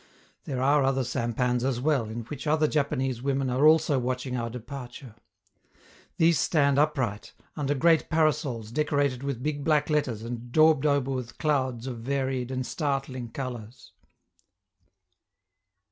There are other sampans as well, in which other Japanese women are also watching our departure. These stand upright, under great parasols decorated with big black letters and daubed over with clouds of varied and startling colors.